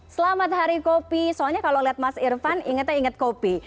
selamat hari kopi soalnya kalau lihat mas irfan ingatnya ingat kopi